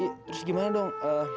terus gimana dong